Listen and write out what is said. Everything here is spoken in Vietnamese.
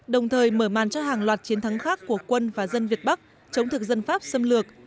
đồng thời mở màn cho hàng loạt chiến thắng khác của quân và dân việt bắc chống thực dân pháp xâm lược